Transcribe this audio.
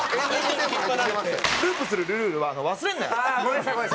ループするルールルは忘れんなよ！